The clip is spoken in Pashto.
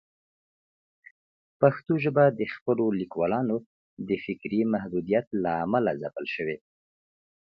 پښتو ژبه د خپلو لیکوالانو د فکري محدودیت له امله ځپل شوې.